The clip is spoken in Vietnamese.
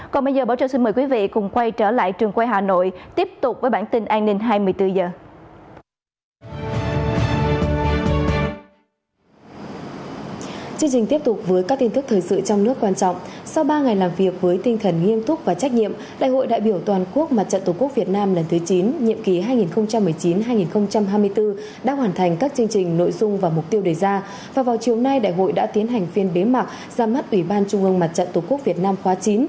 còn bây giờ báo chí xin mời quý vị quay trở lại trường quay hà nội tiếp tục với bản tin an ninh hai mươi bốn h